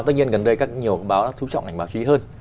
tất nhiên gần đây các nhiều báo đã trú trọng ảnh báo chí hơn